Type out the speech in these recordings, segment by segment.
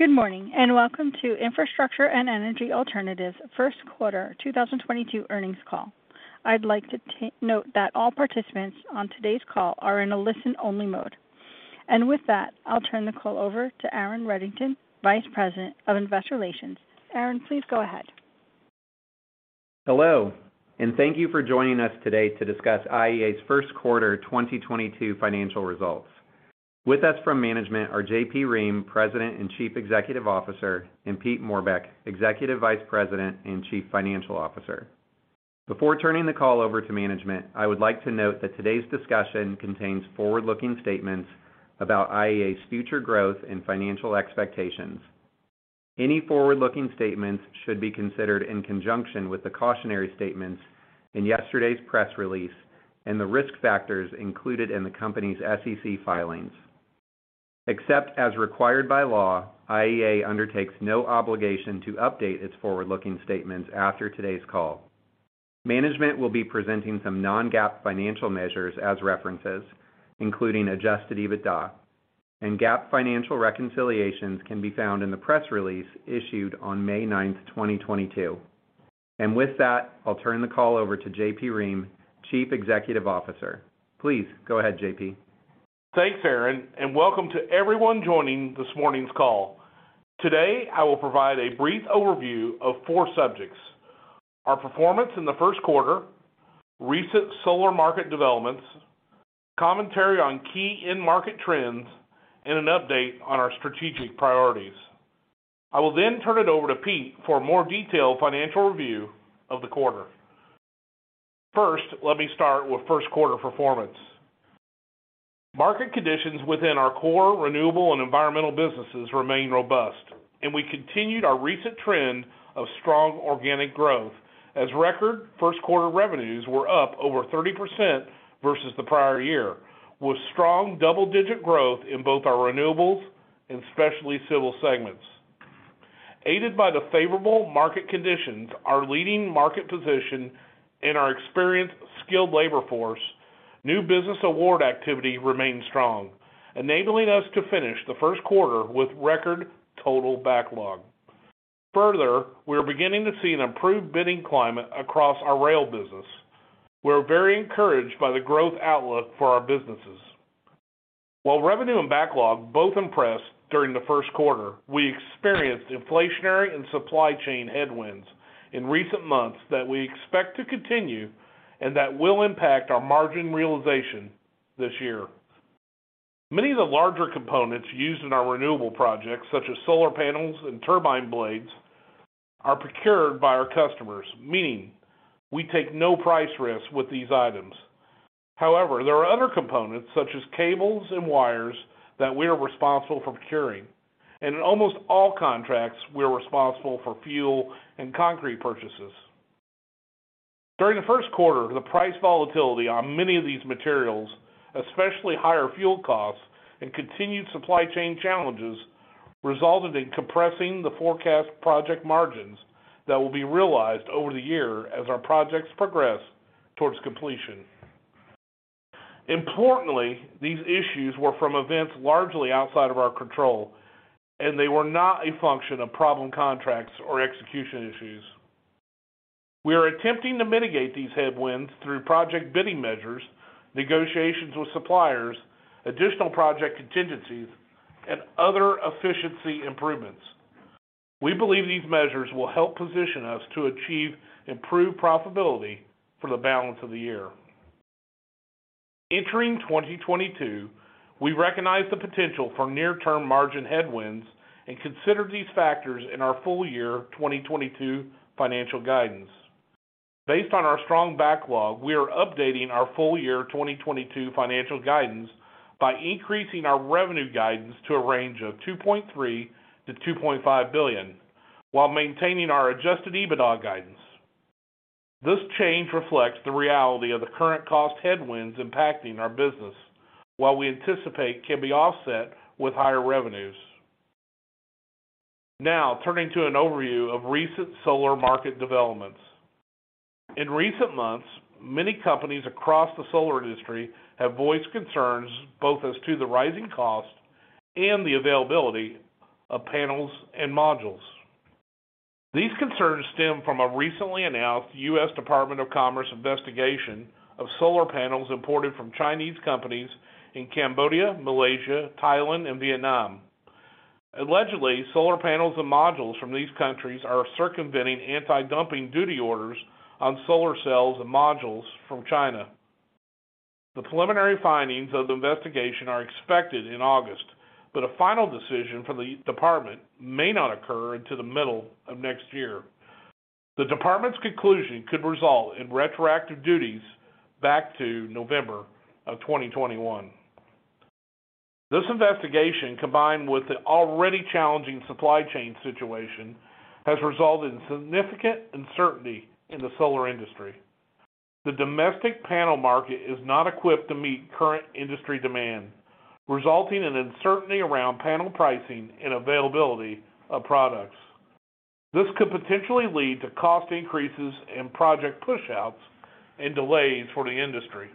Good morning, and welcome to Infrastructure and Energy Alternatives First Quarter 2022 earnings call. I'd like to note that all participants on today's call are in a listen-only mode. With that, I'll turn the call over to Aaron Reddington, Vice President of Investor Relations. Aaron, please go ahead. Hello, and thank you for joining us today to discuss IEA's first quarter 2022 financial results. With us from management are JP Roehm, President and Chief Executive Officer, and Pete Moerbeek, Executive Vice President and Chief Financial Officer. Before turning the call over to management, I would like to note that today's discussion contains forward-looking statements about IEA's future growth and financial expectations. Any forward-looking statements should be considered in conjunction with the cautionary statements in yesterday's press release and the risk factors included in the company's SEC filings. Except as required by law, IEA undertakes no obligation to update its forward-looking statements after today's call. Management will be presenting some non-GAAP financial measures as references, including adjusted EBITDA, and GAAP financial reconciliations can be found in the press release issued on May 9th, 2022. With that, I'll turn the call over to JP Roehm, Chief Executive Officer. Please go ahead, JP. Thanks, Aaron, and welcome to everyone joining this morning's call. Today, I will provide a brief overview of four subjects. Our performance in the first quarter, recent solar market developments, commentary on key end market trends, and an update on our strategic priorities. I will then turn it over to Pete for a more detailed financial review of the quarter. First, let me start with first quarter performance. Market conditions within our core renewable and environmental businesses remain robust, and we continued our recent trend of strong organic growth as record first quarter revenues were up over 30% versus the prior year, with strong double-digit growth in both our Renewables and Specialty Civil segments. Aided by the favorable market conditions, our leading market position, and our experienced, skilled labor force, new business award activity remains strong, enabling us to finish the first quarter with record total backlog. Further, we are beginning to see an improved bidding climate across our rail business. We're very encouraged by the growth outlook for our businesses. While revenue and backlog both impressed during the first quarter, we experienced inflationary and supply chain headwinds in recent months that we expect to continue and that will impact our margin realization this year. Many of the larger components used in our renewable projects, such as solar panels and turbine blades, are procured by our customers, meaning we take no price risks with these items. However, there are other components such as cables and wires that we are responsible for procuring, and in almost all contracts, we are responsible for fuel and concrete purchases. During the first quarter, the price volatility on many of these materials, especially higher fuel costs and continued supply chain challenges, resulted in compressing the forecast project margins that will be realized over the year as our projects progress towards completion. Importantly, these issues were from events largely outside of our control, and they were not a function of problem contracts or execution issues. We are attempting to mitigate these headwinds through project bidding measures, negotiations with suppliers, additional project contingencies, and other efficiency improvements. We believe these measures will help position us to achieve improved profitability for the balance of the year. Entering 2022, we recognize the potential for near-term margin headwinds and consider these factors in our full year 2022 financial guidance. Based on our strong backlog, we are updating our full year 2022 financial guidance by increasing our revenue guidance to a range of $2.3 billion-$2.5 billion while maintaining our adjusted EBITDA guidance. This change reflects the reality of the current cost headwinds impacting our business, while we anticipate can be offset with higher revenues. Now, turning to an overview of recent solar market developments. In recent months, many companies across the solar industry have voiced concerns both as to the rising cost and the availability of panels and modules. These concerns stem from a recently announced U.S. Department of Commerce investigation of solar panels imported from Chinese companies in Cambodia, Malaysia, Thailand, and Vietnam. Allegedly, solar panels and modules from these countries are circumventing antidumping duty orders on solar cells and modules from China. The preliminary findings of the investigation are expected in August, but a final decision from the department may not occur until the middle of next year. The department's conclusion could result in retroactive duties back to November 2021. This investigation, combined with the already challenging supply chain situation, has resulted in significant uncertainty in the solar industry. The domestic panel market is not equipped to meet current industry demand, resulting in uncertainty around panel pricing and availability of products. This could potentially lead to cost increases and project pushouts and delays for the industry.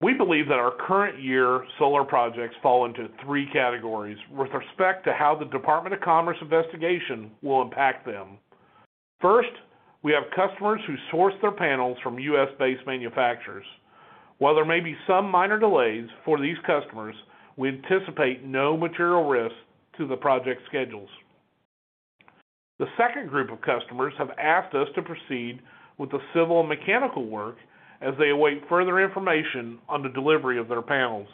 We believe that our current year solar projects fall into three categories with respect to how the U.S. Department of Commerce investigation will impact them. First, we have customers who source their panels from U.S.-based manufacturers. While there may be some minor delays for these customers, we anticipate no material risk to the project schedules. The second group of customers have asked us to proceed with the civil and mechanical work as they await further information on the delivery of their panels.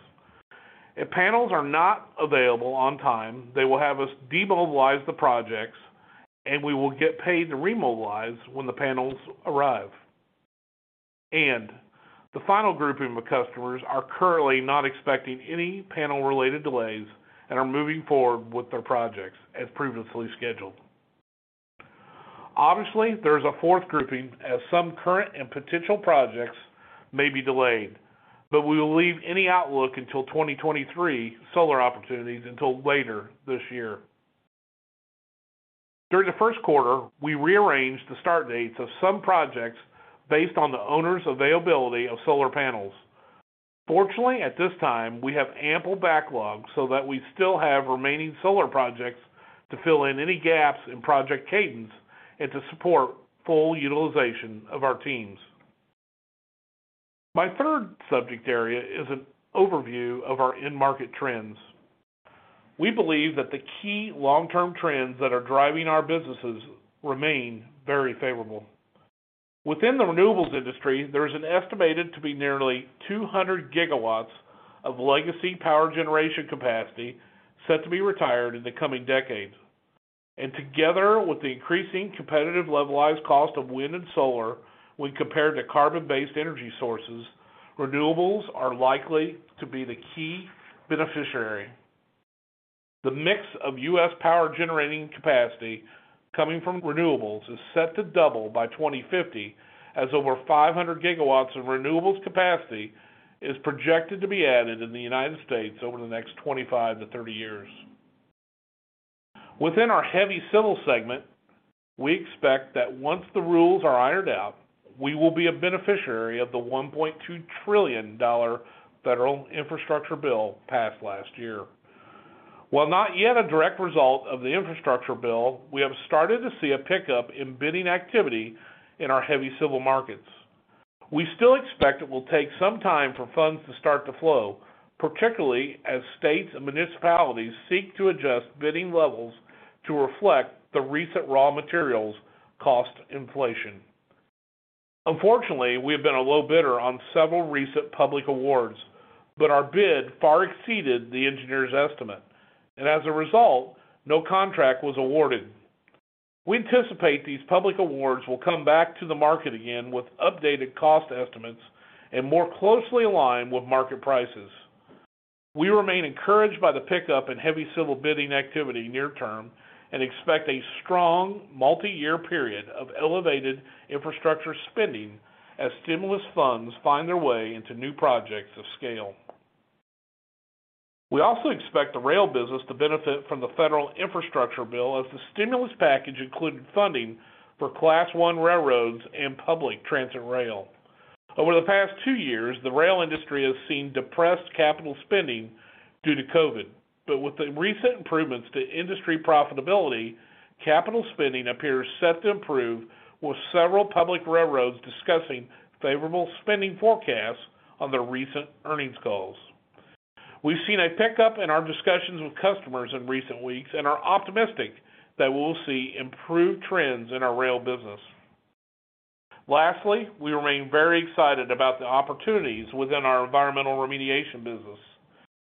If panels are not available on time, they will have us demobilize the projects and we will get paid to remobilize when the panels arrive. The final grouping of customers are currently not expecting any panel-related delays and are moving forward with their projects as previously scheduled. Obviously, there's a fourth grouping as some current and potential projects may be delayed, but we will leave any outlook until 2023 solar opportunities until later this year. During the first quarter, we rearranged the start dates of some projects based on the owner's availability of solar panels. Fortunately, at this time, we have ample backlog so that we still have remaining solar projects to fill in any gaps in project cadence and to support full utilization of our teams. My third subject area is an overview of our end market trends. We believe that the key long-term trends that are driving our businesses remain very favorable. Within the Renewables industry, there is estimated to be nearly 200 GW of legacy power generation capacity set to be retired in the coming decades. Together with the increasing competitive levelized cost of wind and solar when compared to carbon-based energy sources, Renewables are likely to be the key beneficiary. The mix of U.S. power generating capacity coming from Renewables is set to double by 2050 as over 500 GW of Renewables capacity is projected to be added in the United States over the next 25-30 years. Within our heavy civil segment, we expect that once the rules are ironed out, we will be a beneficiary of the $1.2 trillion federal infrastructure bill passed last year. While not yet a direct result of the infrastructure bill, we have started to see a pickup in bidding activity in our heavy civil markets. We still expect it will take some time for funds to start to flow, particularly as states and municipalities seek to adjust bidding levels to reflect the recent raw materials cost inflation. Unfortunately, we have been a low bidder on several recent public awards, but our bid far exceeded the engineer's estimate, and as a result, no contract was awarded. We anticipate these public awards will come back to the market again with updated cost estimates and more closely aligned with market prices. We remain encouraged by the pickup in heavy civil bidding activity near term and expect a strong multiyear period of elevated infrastructure spending as stimulus funds find their way into new projects of scale. We also expect the rail business to benefit from the federal infrastructure bill as the stimulus package included funding for Class I railroads and public transit rail. Over the past two years, the rail industry has seen depressed capital spending due to COVID. With the recent improvements to industry profitability, capital spending appears set to improve with several public railroads discussing favorable spending forecasts on their recent earnings calls. We've seen a pickup in our discussions with customers in recent weeks and are optimistic that we'll see improved trends in our rail business. Lastly, we remain very excited about the opportunities within our environmental remediation business.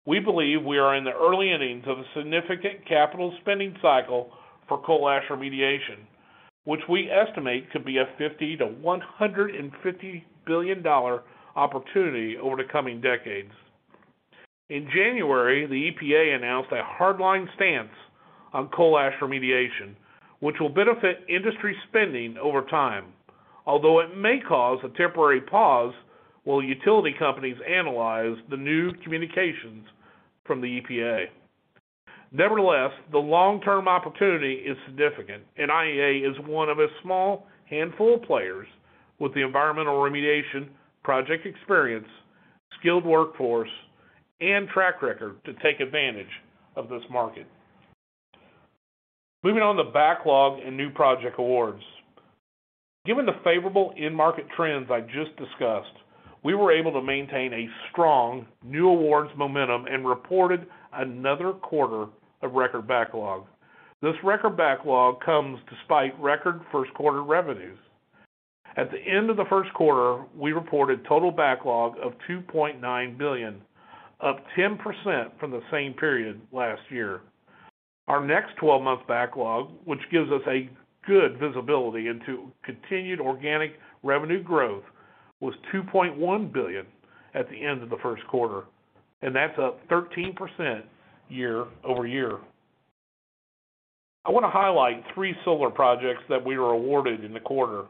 We believe we are in the early innings of a significant capital spending cycle for coal ash remediation, which we estimate could be a $50 billion-$150 billion opportunity over the coming decades. In January, the EPA announced a hardline stance on coal ash remediation, which will benefit industry spending over time. Although it may cause a temporary pause while utility companies analyze the new communications from the EPA. Nevertheless, the long-term opportunity is significant, and IEA is one of a small handful of players with the environmental remediation project experience, skilled workforce, and track record to take advantage of this market. Moving on to backlog and new project awards. Given the favorable end market trends I just discussed, we were able to maintain a strong new awards momentum and reported another quarter of record backlog. This record backlog comes despite record first quarter revenues. At the end of the first quarter, we reported total backlog of $2.9 billion, up 10% from the same period last year. Our next twelve-month backlog, which gives us a good visibility into continued organic revenue growth, was $2.1 billion at the end of the first quarter, and that's up 13% year-over-year. I want to highlight three solar projects that we were awarded in the quarter.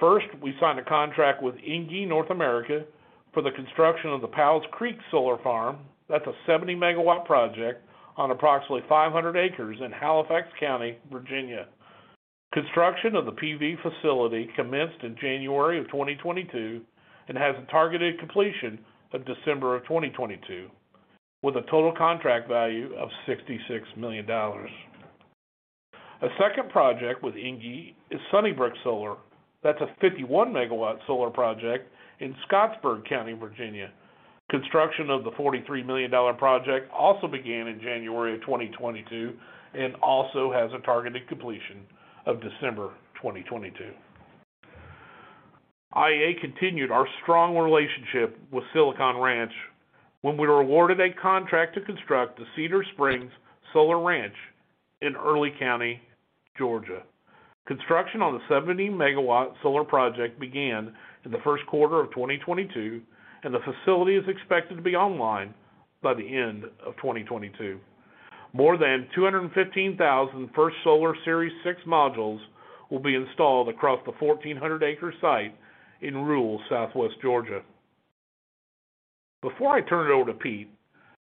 First, we signed a contract with ENGIE North America for the construction of the Powells Creek Solar Farm. That's a 70 MW project on approximately 500 acres in Halifax County, Virginia. Construction of the PV facility commenced in January of 2022 and has a targeted completion of December of 2022, with a total contract value of $66 million. A second project with ENGIE is Sunnybrook Solar. That's a 51 MW solar project in Halifax County, Virginia. Construction of the $43 million project also began in January of 2022 and also has a targeted completion of December 2022. IEA continued our strong relationship with Silicon Ranch when we were awarded a contract to construct the Cedar Springs Solar Ranch in Early County, Georgia. Construction on the 70 MW solar project began in the first quarter of 2022, and the facility is expected to be online by the end of 2022. More than 215,000 First Solar Series 6 modules will be installed across the 1,400-acre site in rural southwest Georgia. Before I turn it over to Pete,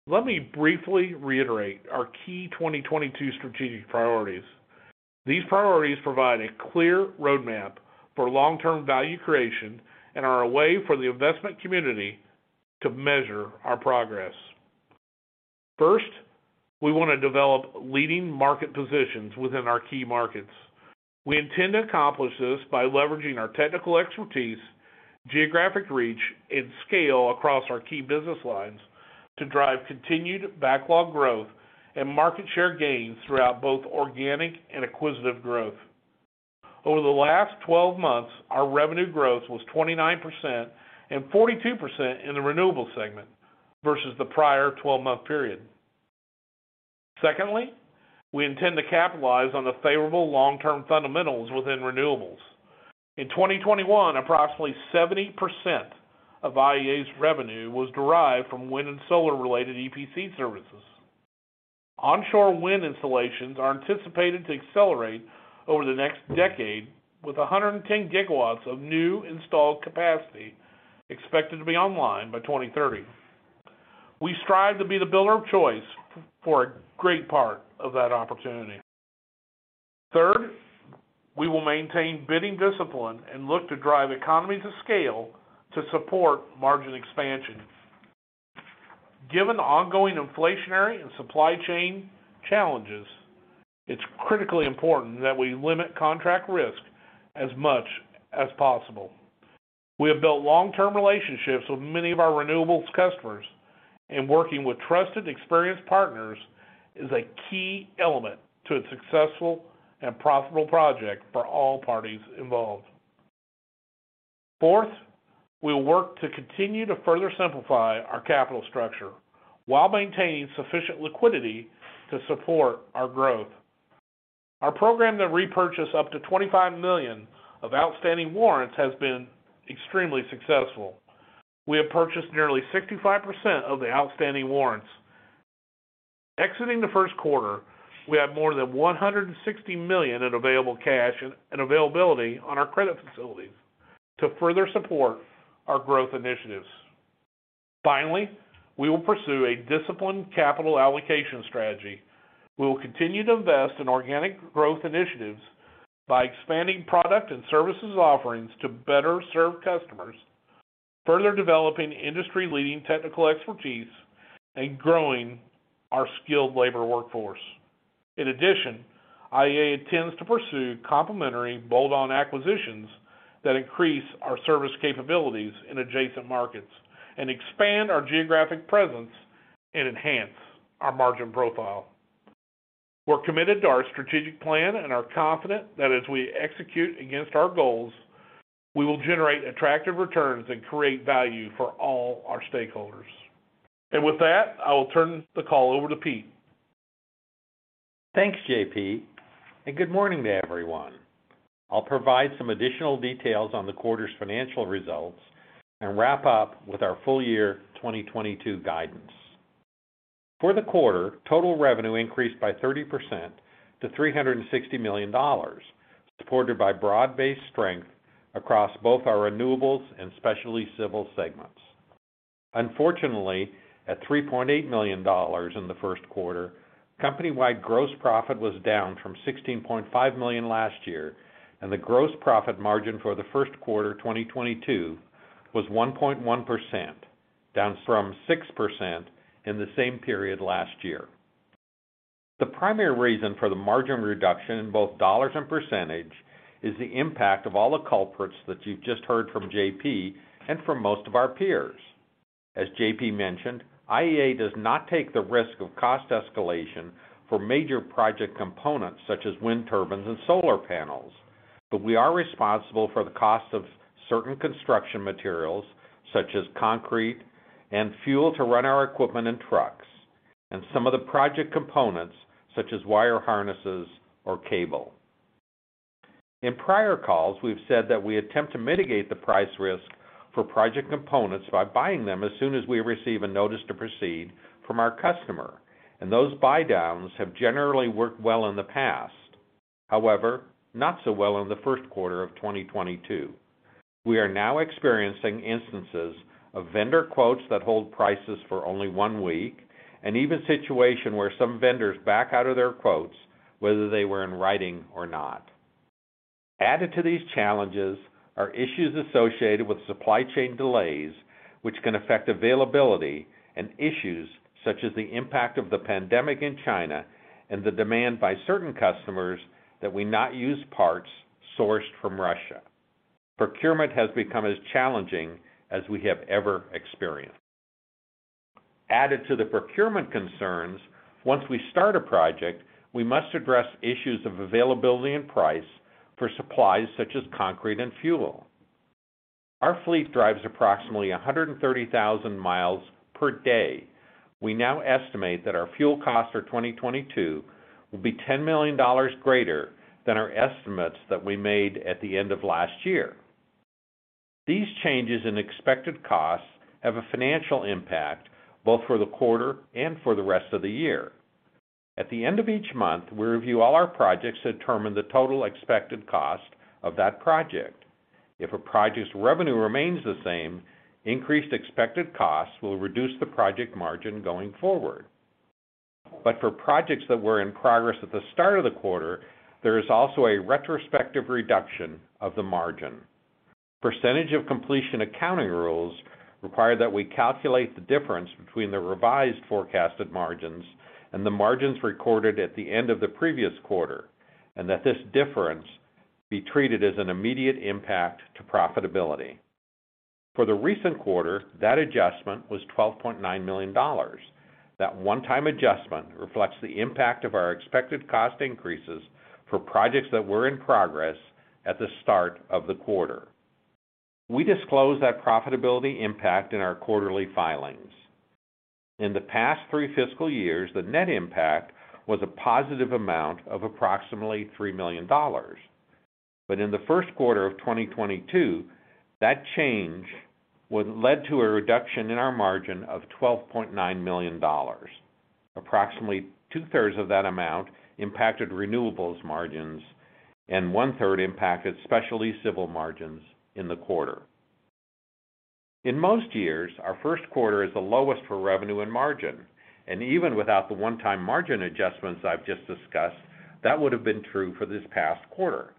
let me briefly reiterate our key 2022 strategic priorities. These priorities provide a clear roadmap for long-term value creation and are a way for the investment community to measure our progress. First, we wanna develop leading market positions within our key markets. We intend to accomplish this by leveraging our technical expertise, geographic reach, and scale across our key business lines to drive continued backlog growth and market share gains throughout both organic and acquisitive growth. Over the last 12 months, our revenue growth was 29% and 42% in the Renewables segment versus the prior 12-month period. Secondly, we intend to capitalize on the favorable long-term fundamentals within Renewables. In 2021, approximately 70% of IEA's revenue was derived from wind and solar related EPC services. Onshore wind installations are anticipated to accelerate over the next decade with 110 GW of new installed capacity expected to be online by 2030. We strive to be the builder of choice for a great part of that opportunity. Third, we will maintain bidding discipline and look to drive economies of scale to support margin expansion. Given the ongoing inflationary and supply chain challenges, it's critically important that we limit contract risk as much as possible. We have built long-term relationships with many of our Renewables customers, and working with trusted, experienced partners is a key element to a successful and profitable project for all parties involved. Fourth, we will work to continue to further simplify our capital structure while maintaining sufficient liquidity to support our growth. Our program to repurchase up to 25 million of outstanding warrants has been extremely successful. We have purchased nearly 65% of the outstanding warrants. Exiting the first quarter, we have more than $160 million in available cash and availability on our credit facilities to further support our growth initiatives. Finally, we will pursue a disciplined capital allocation strategy. We will continue to invest in organic growth initiatives by expanding product and services offerings to better serve customers, further developing industry-leading technical expertise, and growing our skilled labor workforce. In addition, IEA intends to pursue complementary bolt-on acquisitions that increase our service capabilities in adjacent markets and expand our geographic presence and enhance our margin profile. We're committed to our strategic plan and are confident that as we execute against our goals, we will generate attractive returns and create value for all our stakeholders. With that, I will turn the call over to Pete. Thanks, JP, and good morning to everyone. I'll provide some additional details on the quarter's financial results and wrap up with our full year 2022 guidance. For the quarter, total revenue increased by 30% to $360 million, supported by broad-based strength across both our Renewables and Specialty Civil segments. Unfortunately, at $3.8 million in the first quarter, company-wide gross profit was down from $16.5 million last year, and the gross profit margin for the first quarter 2022 was 1.1%, down from 6% in the same period last year. The primary reason for the margin reduction in both dollars and percentage is the impact of all the culprits that you've just heard from JP and from most of our peers. As JP mentioned, IEA does not take the risk of cost escalation for major project components such as wind turbines and solar panels, but we are responsible for the cost of certain construction materials such as concrete and fuel to run our equipment and trucks, and some of the project components such as wire harnesses or cable. In prior calls, we've said that we attempt to mitigate the price risk for project components by buying them as soon as we receive a notice to proceed from our customer, and those buydowns have generally worked well in the past. However, not so well in the first quarter of 2022. We are now experiencing instances of vendor quotes that hold prices for only one week and even situation where some vendors back out of their quotes, whether they were in writing or not. Added to these challenges are issues associated with supply chain delays, which can affect availability and issues such as the impact of the pandemic in China and the demand by certain customers that we not use parts sourced from Russia. Procurement has become as challenging as we have ever experienced. Added to the procurement concerns, once we start a project, we must address issues of availability and price for supplies such as concrete and fuel. Our fleet drives approximately 130,000 miles per day. We now estimate that our fuel costs for 2022 will be $10 million greater than our estimates that we made at the end of last year. These changes in expected costs have a financial impact both for the quarter and for the rest of the year. At the end of each month, we review all our projects to determine the total expected cost of that project. If a project's revenue remains the same, increased expected costs will reduce the project margin going forward. For projects that were in progress at the start of the quarter, there is also a retrospective reduction of the margin. Percentage of completion accounting rules require that we calculate the difference between the revised forecasted margins and the margins recorded at the end of the previous quarter, and that this difference be treated as an immediate impact to profitability. For the recent quarter, that adjustment was $12.9 million. That one-time adjustment reflects the impact of our expected cost increases for projects that were in progress at the start of the quarter. We disclose that profitability impact in our quarterly filings. In the past three fiscal years, the net impact was a positive amount of approximately $3 million. In the first quarter of 2022, that change led to a reduction in our margin of $12.9 million. Approximately two-thirds of that amount impacted Renewables margins, and 1/3 impacted Specialty Civil margins in the quarter. In most years, our first quarter is the lowest for revenue and margin. Even without the one-time margin adjustments I've just discussed, that would have been true for this past quarter.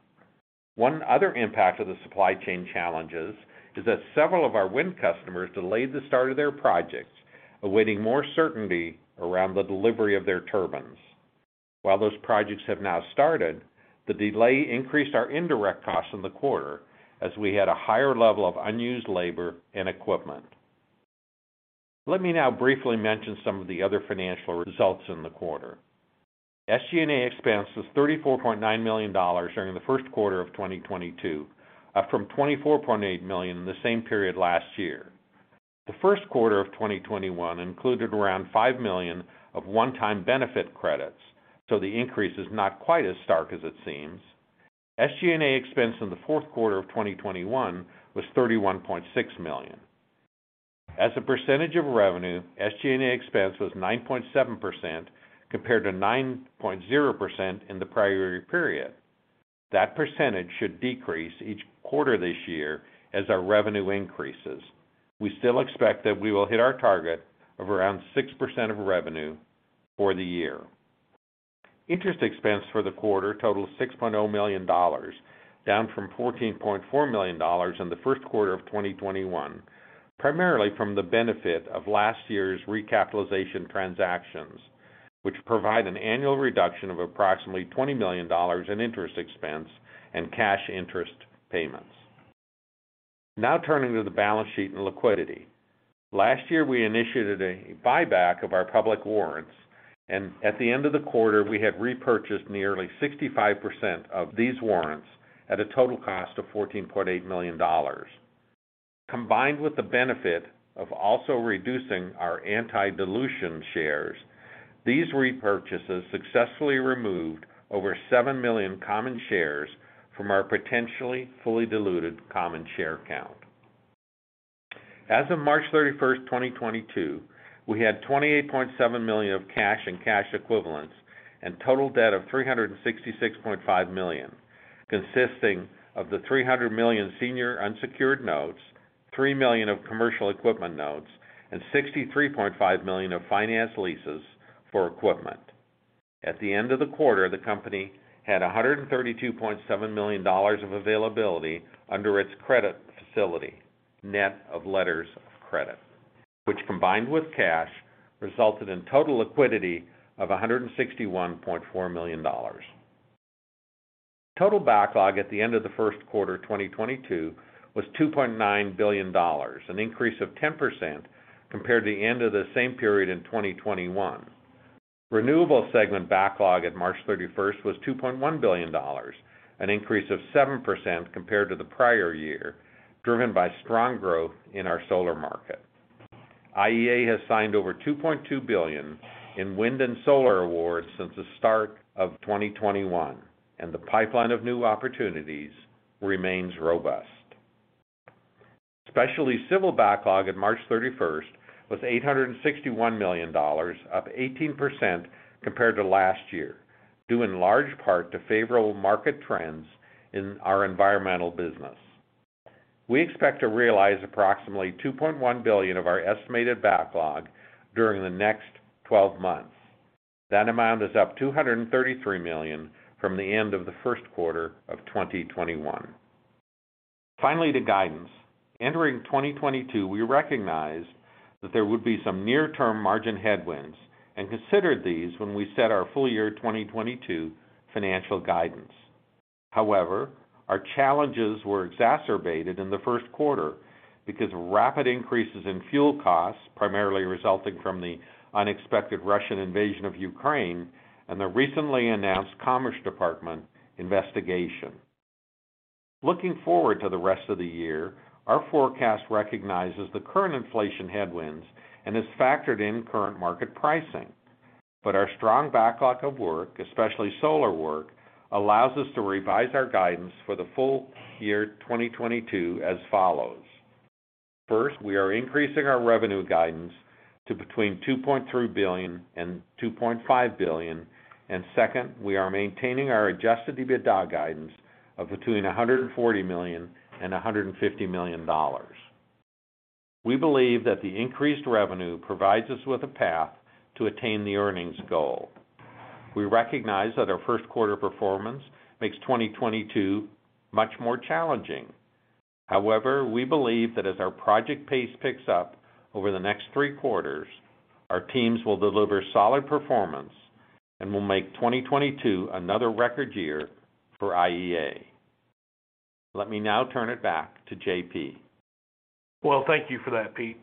One other impact of the supply chain challenges is that several of our wind customers delayed the start of their projects, awaiting more certainty around the delivery of their turbines. While those projects have now started, the delay increased our indirect costs in the quarter as we had a higher level of unused labor and equipment. Let me now briefly mention some of the other financial results in the quarter. SG&A expense was $34.9 million during the first quarter of 2022, up from $24.8 million in the same period last year. The first quarter of 2021 included around $5 million of one-time benefit credits, so the increase is not quite as stark as it seems. SG&A expense in the fourth quarter of 2021 was $31.6 million. As a percentage of revenue, SG&A expense was 9.7% compared to 9.0% in the prior year period. That percentage should decrease each quarter this year as our revenue increases. We still expect that we will hit our target of around 6% of revenue for the year. Interest expense for the quarter totals $6.0 million, down from $14.4 million in the first quarter of 2021, primarily from the benefit of last year's recapitalization transactions, which provide an annual reduction of approximately $20 million in interest expense and cash interest payments. Now turning to the balance sheet and liquidity. Last year, we initiated a buyback of our public warrants, and at the end of the quarter, we had repurchased nearly 65% of these warrants at a total cost of $14.8 million. Combined with the benefit of also reducing our anti-dilution shares, these repurchases successfully removed over 7 million common shares from our potentially fully diluted common share count. As of March 31st, 2022, we had $28.7 million of cash and cash equivalents and total debt of $366.5 million, consisting of the $300 million senior unsecured notes, $3 million of commercial equipment notes, and $63.5 million of finance leases for equipment. At the end of the quarter, the company had $132.7 million of availability under its credit facility, net of letters of credit, which combined with cash, resulted in total liquidity of $161.4 million. Total backlog at the end of the first quarter 2022 was $2.9 billion, an increase of 10% compared to the end of the same period in 2021. Renewables segment backlog at March 31st was $2.1 billion, an increase of 7% compared to the prior year, driven by strong growth in our solar market. IEA has signed over $2.2 billion in wind and solar awards since the start of 2021, and the pipeline of new opportunities remains robust. Specialty Civil backlog at March 31st was $861 million, up 18% compared to last year, due in large part to favorable market trends in our environmental business. We expect to realize approximately $2.1 billion of our estimated backlog during the next twelve months. That amount is up $233 million from the end of the first quarter of 2021. Finally, to guidance. Entering 2022, we recognized that there would be some near-term margin headwinds and considered these when we set our full year 2022 financial guidance. However, our challenges were exacerbated in the first quarter because of rapid increases in fuel costs, primarily resulting from the unexpected Russian invasion of Ukraine and the recently announced Commerce Department investigation. Looking forward to the rest of the year, our forecast recognizes the current inflation headwinds and has factored in current market pricing. Our strong backlog of work, especially solar work, allows us to revise our guidance for the full year 2022 as follows. First, we are increasing our revenue guidance to between $2.3 billion and $2.5 billion. And second, we are maintaining our adjusted EBITDA guidance of between $140 million and $150 million. We believe that the increased revenue provides us with a path to attain the earnings goal. We recognize that our first quarter performance makes 2022 much more challenging. However, we believe that as our project pace picks up over the next three quarters, our teams will deliver solid performance, and we'll make 2022 another record year for IEA. Let me now turn it back to JP. Well, thank you for that, Pete.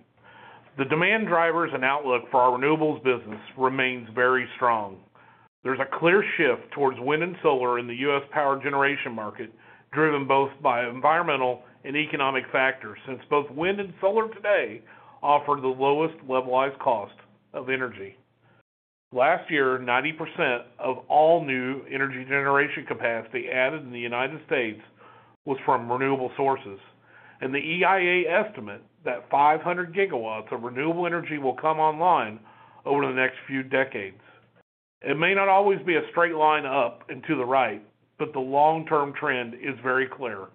The demand drivers and outlook for our Renewables business remains very strong. There's a clear shift towards wind and solar in the U.S. power generation market, driven both by environmental and economic factors, since both wind and solar today offer the lowest levelized cost of energy. Last year, 90% of all new energy generation capacity added in the United States was from Renewable sources, and the IEA estimate that 500 GW of renewable energy will come online over the next few decades. It may not always be a straight line up and to the right, but the long-term trend is very clear,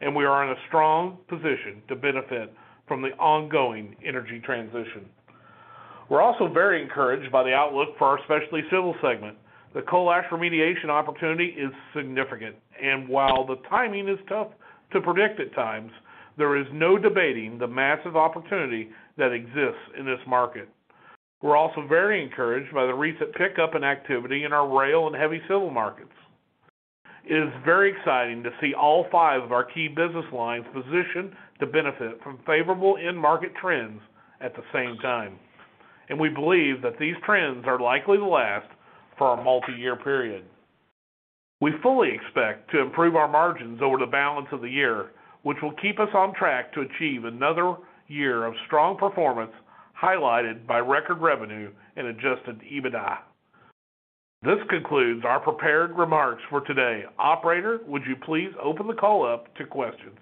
and we are in a strong position to benefit from the ongoing energy transition. We're also very encouraged by the outlook for our Specialty Civil segment. The coal ash remediation opportunity is significant, and while the timing is tough to predict at times, there is no debating the massive opportunity that exists in this market. We're also very encouraged by the recent pickup in activity in our rail and heavy civil markets. It is very exciting to see all five of our key business lines positioned to benefit from favorable end market trends at the same time. We believe that these trends are likely to last for a multiyear period. We fully expect to improve our margins over the balance of the year, which will keep us on track to achieve another year of strong performance, highlighted by record revenue and adjusted EBITDA. This concludes our prepared remarks for today. Operator, would you please open the call up to questions?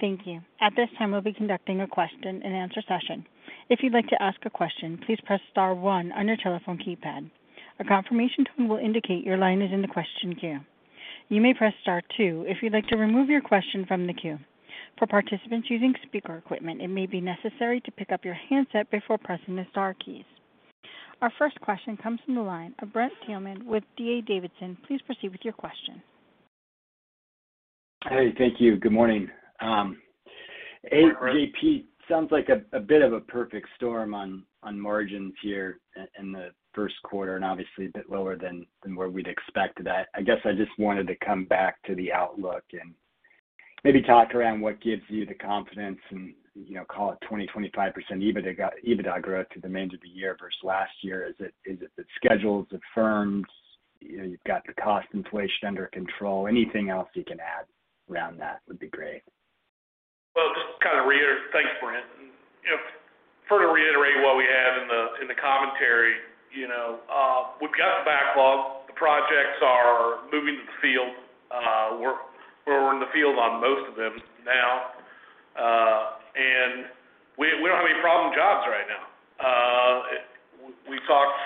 Thank you. At this time, we'll be conducting a question-and-answer session. If you'd like to ask a question, please press star one on your telephone keypad. A confirmation tone will indicate your line is in the question queue. You may press star two if you'd like to remove your question from the queue. For participants using speaker equipment, it may be necessary to pick up your handset before pressing the star keys. Our first question comes from the line of Brent Thielman with D.A. Davidson. Please proceed with your question. Hey, thank you. Good morning. Aaron, JP, sounds like a bit of a perfect storm on margins here in the first quarter, and obviously a bit lower than where we'd expected that. I guess I just wanted to come back to the outlook and maybe talk around what gives you the confidence and, you know, call it 20%-25% EBITDA growth to the end of the year versus last year. Is it the schedules, the firms, you know, you've got the cost inflation under control? Anything else you can add around that would be great. Well, just to kind of reiterate. Thanks, Brent. You know, further reiterating what we have in the commentary. You know, we've got the backlog. The projects are moving to the field. We're in the field on most of them now. And we don't have any problem jobs right now. We talked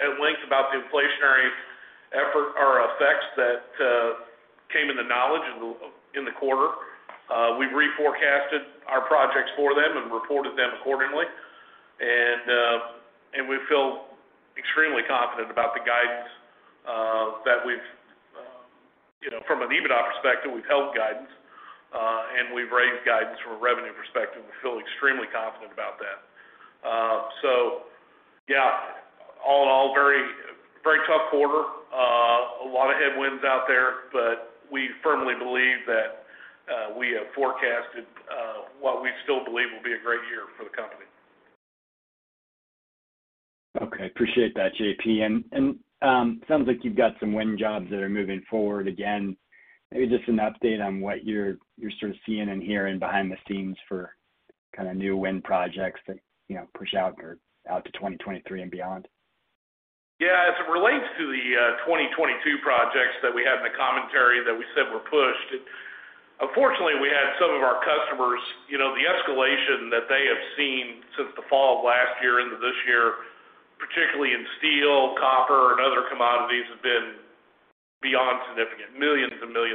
at length about the inflationary effects that came into knowledge in the quarter. We've reforecasted our projects for them and reported them accordingly. And we feel extremely confident about the guidance that we've you know, from an EBITDA perspective, we've held guidance, and we've raised guidance from a revenue perspective. We feel extremely confident about that. Yeah, all in all, very, very tough quarter. A lot of headwinds out there, but we firmly believe that we have forecasted what we still believe will be a great year for the company. Okay. Appreciate that, JP. Sounds like you've got some wind jobs that are moving forward again. Maybe just an update on what you're sort of seeing and hearing behind the scenes for kinda new wind projects that, you know, pushed out to 2023 and beyond? Yeah, as it relates to the 2022 projects that we had in the commentary that we said were pushed, unfortunately, we had some of our customers, you know, the escalation that they have seen since the fall of last year into this year, particularly in steel, copper and other commodities, have been beyond significant, $millions and millions.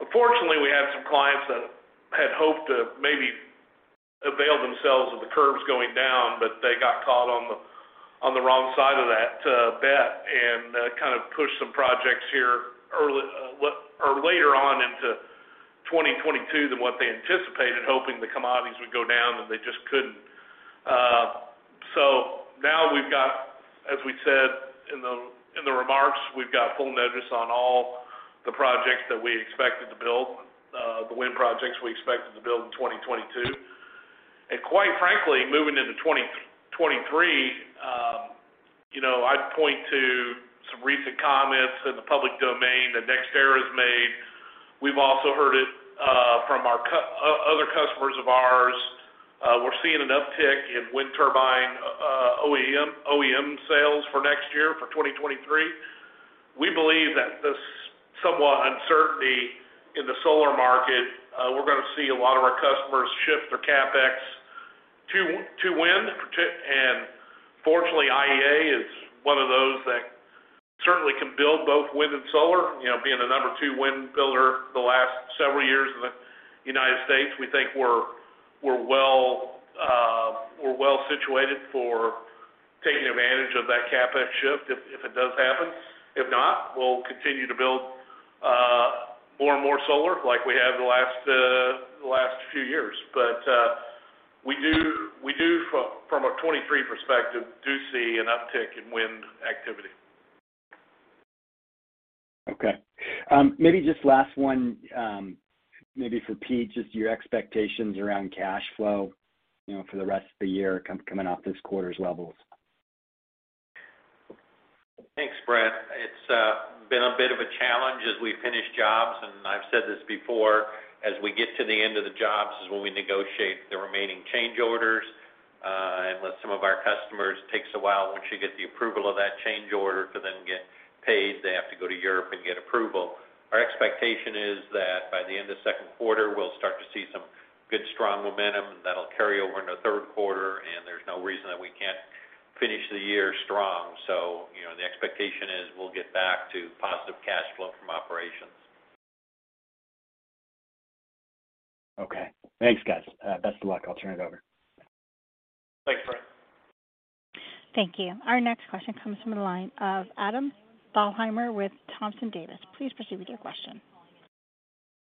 Unfortunately, we had some clients that had hoped to maybe avail themselves of the curves going down, but they got caught on the wrong side of that bet and kind of pushed some projects here early or later on into 2022 than what they anticipated, hoping the commodities would go down, and they just couldn't. Now we've got. As we said in the remarks, we've got full notice on all the projects that we expected to build, the wind projects we expected to build in 2022. Quite frankly, moving into 2023, you know, I'd point to some recent comments in the public domain that NextEra Energy has made. We've also heard it from our other customers of ours. We're seeing an uptick in wind turbine OEM sales for next year, for 2023. We believe that this somewhat uncertainty in the solar market, we're gonna see a lot of our customers shift their CapEx to wind. Fortunately, IEA is one of those that certainly can build both wind and solar. You know, being the number two wind builder the last several years in the United States, we think we're well situated for taking advantage of that CapEx shift if it does happen. If not, we'll continue to build more and more solar like we have the last few years. We do from a 2023 perspective see an uptick in wind activity. Okay. Maybe just last one, maybe for Pete, just your expectations around cash flow, you know, for the rest of the year coming off this quarter's levels. Thanks, Brent. It's been a bit of a challenge as we finish jobs, and I've said this before, as we get to the end of the jobs is when we negotiate the remaining change orders, unless some of our customers takes a while once you get the approval of that change order to then get paid, they have to go to Europe and get approval. Our expectation is that by the end of second quarter, we'll start to see some good, strong momentum, and that'll carry over into third quarter, and there's no reason that we can't finish the year strong. You know, the expectation is we'll get back to positive cash flow from operations. Okay. Thanks, guys. Best of luck. I'll turn it over. Thanks, Brent Thielman. Thank you. Our next question comes from the line of Adam Thalhimer with Thompson Davis & Co. Please proceed with your question.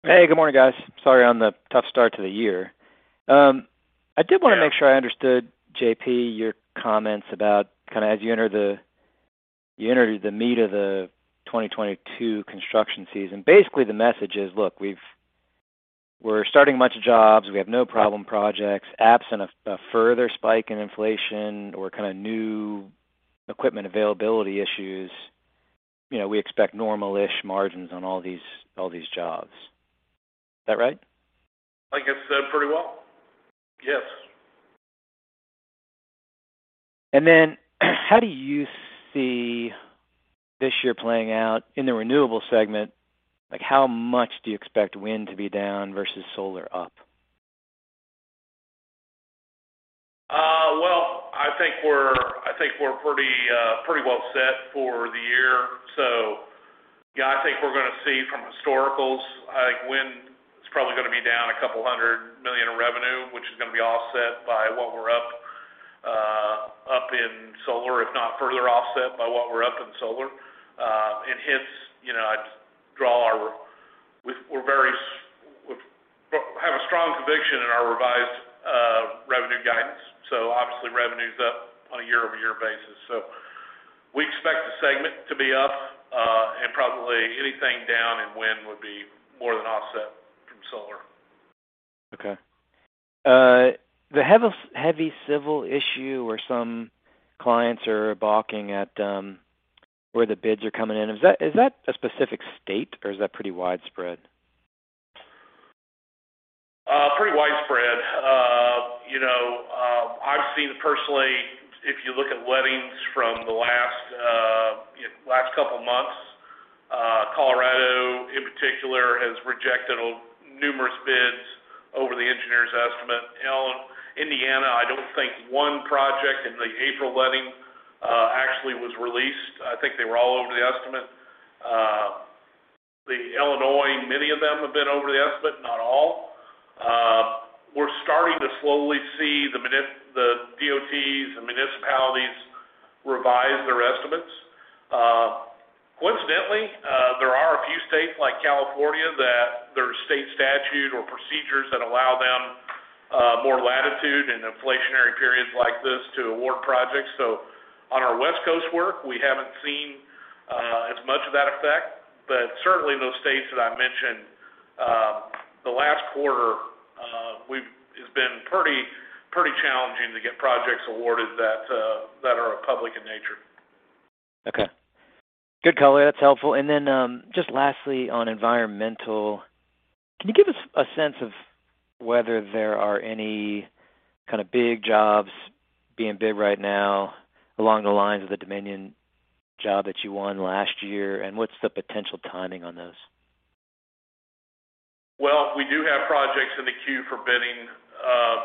Hey, good morning, guys. Sorry on the tough start to the year. I did wanna make sure I understood, JP, your comments about kind of as you enter the meat of the 2022 construction season. Basically, the message is. Look, we're starting a bunch of jobs. We have no problem projects. Absent a further spike in inflation or kind of new equipment availability issues, you know, we expect normal-ish margins on all these jobs. Is that right? I think it's said pretty well. Yes. How do you see this year playing out in the Renewable segment? Like, how much do you expect wind to be down versus solar up? Well, I think we're pretty well set for the year. Yeah, I think we're gonna see from historicals, I think wind is probably gonna be down $200 million in revenue, which is gonna be offset by what we're up in solar, if not further offset by what we're up in solar. Hence, you know, we have a strong conviction in our revised revenue guidance, so obviously revenue's up on a year-over-year basis. We expect the segment to be up, and probably anything down in wind would be more than offset from solar. Okay. The heavy civil issue where some clients are balking at where the bids are coming in, is that a specific state, or is that pretty widespread? Pretty widespread. You know, I've seen personally if you look at lettings from the last couple months, Colorado in particular has rejected numerous bids over the engineer's estimate. Indiana, I don't think one project in the April letting actually was released. I think they were all over the estimate. Illinois, many of them have been over the estimate, not all. We're starting to slowly see the DOTs, the municipalities revise their estimates. Coincidentally, there are a few states like California that there are state statute or procedures that allow them more latitude in inflationary periods like this to award projects. On our West Coast work, we haven't seen as much of that effect, but certainly in those states that I mentioned, the last quarter, it's been pretty challenging to get projects awarded that are public in nature. Okay. Good color. That's helpful. Just lastly, on environmental, can you give us a sense of whether there are any kind of big jobs being bid right now along the lines of the Dominion job that you won last year? What's the potential timing on those? Well, we do have projects in the queue for bidding,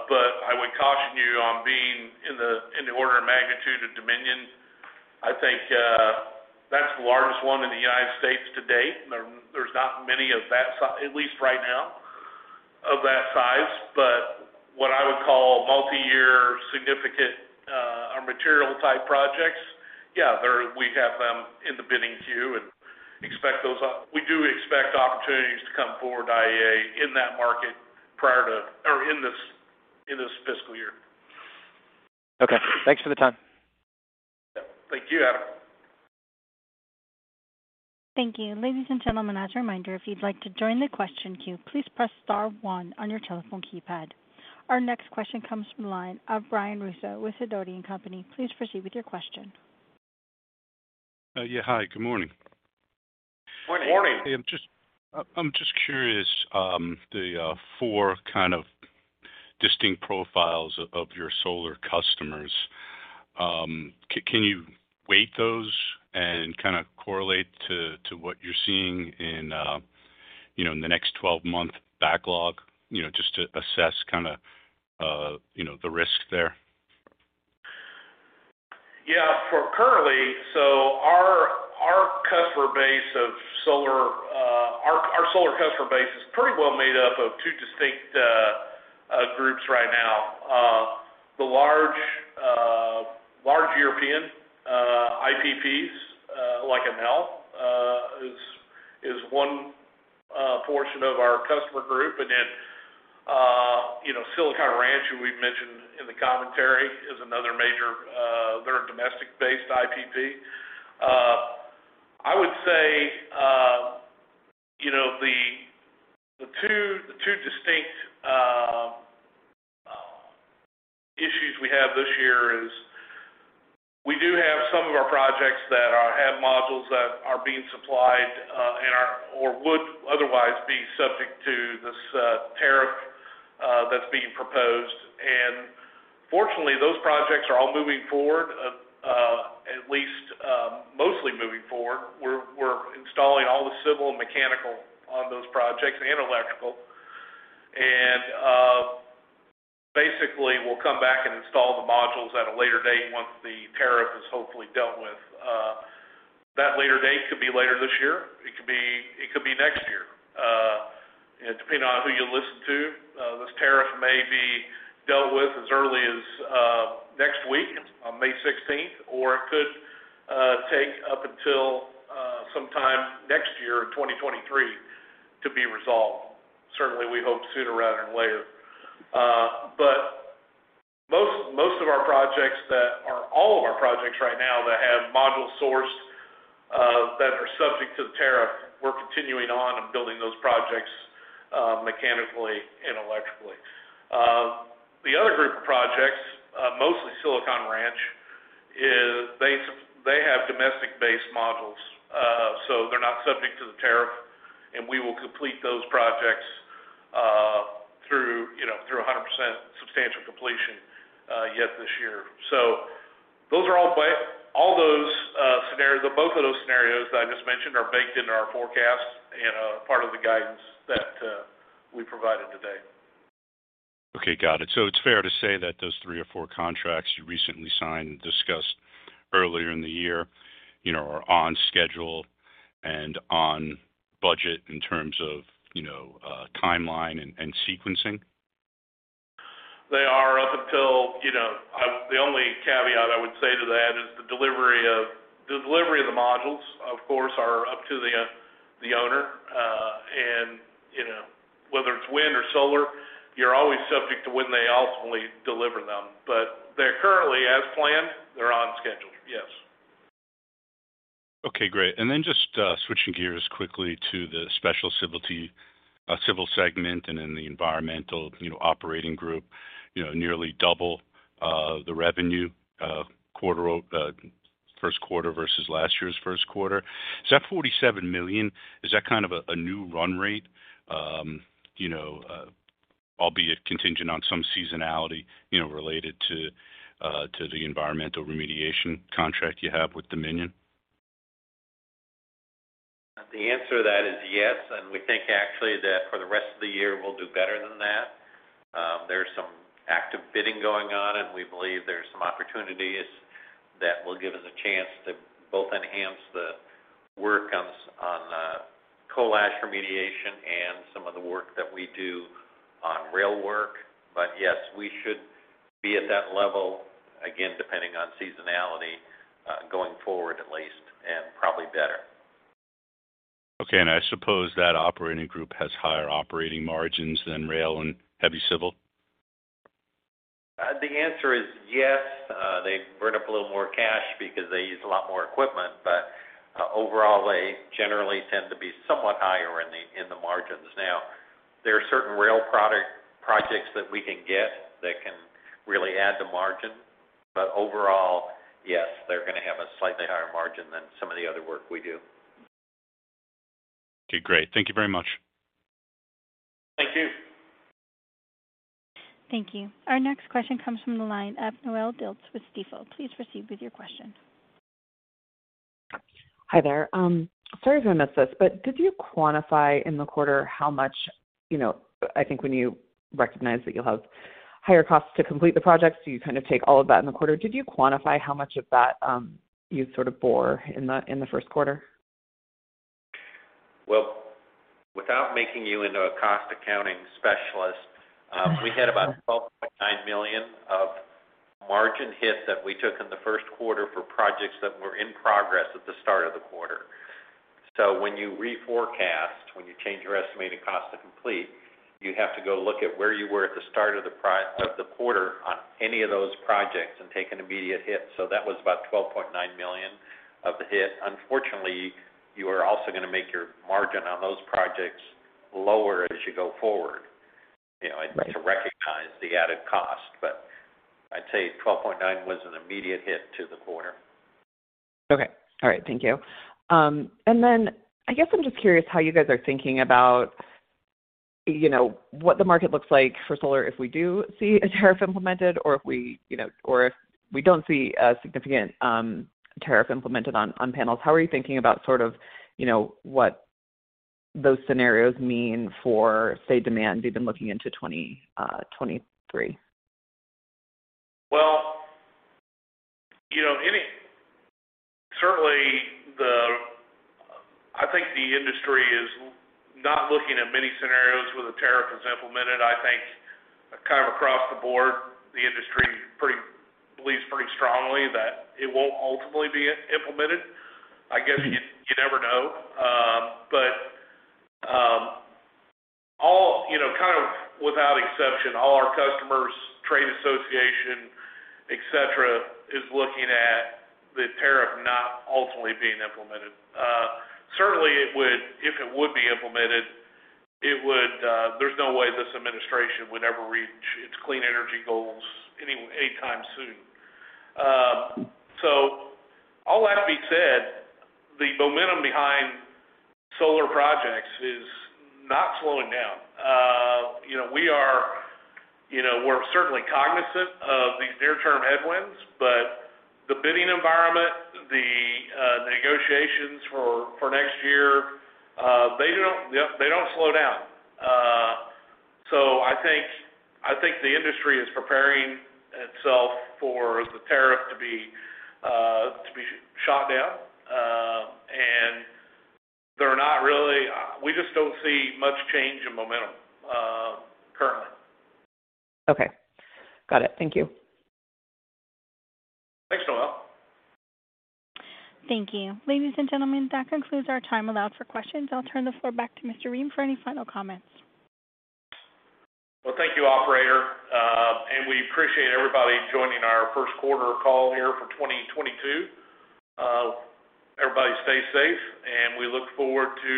but I would caution you on being in the order of magnitude of Dominion. I think that's the largest one in the United States to date. There's not many of that size at least right now. But what I would call multi-year significant material-type projects. Yeah, we have them in the bidding queue and we do expect opportunities to come forward, IEA, in that market prior to or in this fiscal year. Okay. Thanks for the time. Yeah. Thank you, Adam. Thank you. Ladies and gentlemen, as a reminder, if you'd like to join the question queue, please press star one on your telephone keypad. Our next question comes from the line of Brian Russo with Sidoti & Company. Please proceed with your question. Yeah. Hi, good morning. Morning. Morning. Hey, I'm just curious, the four kind of distinct profiles of your solar customers. Can you weigh those and kinda correlate to what you're seeing in, you know, in the next 12-month backlog? You know, just to assess kinda, you know, the risk there. Our solar customer base is pretty well made up of two distinct groups right now. The large European IPPs like Enel is one portion of our customer group. Then, you know, Silicon Ranch, who we've mentioned in the commentary, is another major, they're a domestic-based IPP. I would say, you know, the two distinct issues we have this year is we do have some of our projects that have modules that are being supplied and are or would otherwise be subject to this tariff that's being proposed. Fortunately, those projects are all moving forward, at least, mostly moving forward. We're installing all the civil and mechanical on those projects and electrical. Basically, we'll come back and install the modules at a later date once the tariff is hopefully dealt with. That later date could be later this year, it could be next year, depending on who you listen to. This tariff may be dealt with as early as next week on May sixteenth, or it could take up until sometime next year, 2023, to be resolved. Certainly, we hope sooner rather than later. All of our projects right now that have module sourcing that are subject to the tariff, we're continuing on and building those projects mechanically and electrically. The other group of projects, mostly Silicon Ranch, is they have domestic-based modules, so they're not subject to the tariff, and we will complete those projects through, you know, through 100% substantial completion yet this year. Those are all those scenarios or both of those scenarios that I just mentioned are baked into our forecast and are part of the guidance that we provided today. Okay, got it. It's fair to say that those three or four contracts you recently signed and discussed earlier in the year, you know, are on schedule and on budget in terms of, you know, timeline and sequencing. They are up until. You know, the only caveat I would say to that is the delivery of the modules, of course, are up to the owner. You know, whether it's wind or solar, you're always subject to when they ultimately deliver them. They're currently as planned, they're on schedule, yes. Okay, great. Just switching gears quickly to the Specialty Civil segment and in the environmental operating group, nearly double the revenue first quarter versus last year's first quarter. Is that $47 million? Is that kind of a new run rate, you know, albeit contingent on some seasonality, you know, related to the environmental remediation contract you have with Dominion? The answer to that is yes. We think actually that for the rest of the year, we'll do better than that. There's some active bidding going on, and we believe there's some opportunities that will give us a chance to both enhance the work on coal ash remediation and some of the work that we do on rail work. Yes, we should be at that level, again, depending on seasonality, going forward at least, and probably better. Okay. I suppose that operating group has higher operating margins than rail and heavy civil? The answer is yes. They burn up a little more cash because they use a lot more equipment. Overall, they generally tend to be somewhat higher in the margins. Now, there are certain rail product Projects that we can get that can really add to margin. Overall, yes, they're gonna have a slightly higher margin than some of the other work we do. Okay, great. Thank you very much. Thank you. Thank you. Our next question comes from the line of Noelle Dilts with Stifel. Please proceed with your question. Hi there. Sorry if I missed this, but could you quantify in the quarter how much, you know, I think when you recognize that you'll have higher costs to complete the projects, so you kind of take all of that in the quarter. Did you quantify how much of that, you sort of bore in the first quarter? Well, without making you into a cost accounting specialist, we had about $12.9 million of margin hits that we took in the first quarter for projects that were in progress at the start of the quarter. When you reforecast, when you change your estimated cost to complete, you have to go look at where you were at the start of the quarter on any of those projects and take an immediate hit. That was about $12.9 million of the hit. Unfortunately, you are also gonna make your margin on those projects lower as you go forward. Right. You know, to recognize the added cost. I'd say $12.9 was an immediate hit to the quarter. Okay. All right, thank you. I guess I'm just curious how you guys are thinking about, you know, what the market looks like for solar if we do see a tariff implemented or if we, you know, or if we don't see a significant tariff implemented on panels. How are you thinking about sort of, you know, what those scenarios mean for, say, demand even looking into 2023? Well, you know, certainly I think the industry is not looking at many scenarios where the tariff is implemented. I think kind of across the board, the industry believes pretty strongly that it won't ultimately be implemented. I guess you never know. All you know, kind of without exception, all our customers, trade association, et cetera, is looking at the tariff not ultimately being implemented. Certainly it would if it would be implemented, it would, there's no way this administration would ever reach its clean energy goals anytime soon. All that being said, the momentum behind solar projects is not slowing down. You know, we're certainly cognizant of these near-term headwinds, but the bidding environment, the negotiations for next year, they don't slow down. I think the industry is preparing itself for the tariff to be shot down. We just don't see much change in momentum currently. Okay. Got it. Thank you. Thanks, Noelle. Thank you. Ladies and gentlemen, that concludes our time allowed for questions. I'll turn the floor back to Mr. Roehm for any final comments. Well, thank you, operator. We appreciate everybody joining our first quarter call here for 2022. Everybody stay safe, and we look forward to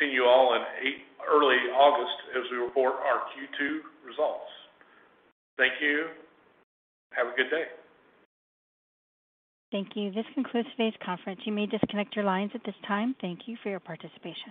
seeing you all in early August as we report our Q2 results. Thank you. Have a good day. Thank you. This concludes today's conference. You may disconnect your lines at this time. Thank you for your participation.